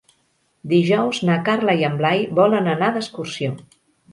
Dijous na Carla i en Blai volen anar d'excursió.